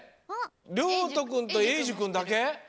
りょうとくんとえいじゅくんだけ？